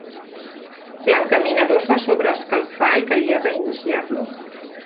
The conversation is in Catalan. L'encaminador es va sobreescalfar i calia reiniciar-lo.